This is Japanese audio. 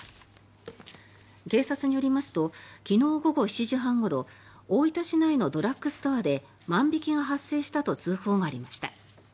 警察によりますと昨日午後７時半ごろ大分市内のドラッグストアで万引きが発生したと通報がありました。